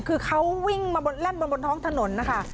คือเขาวิ่งมาแล่นบนท้องถนนนะคะ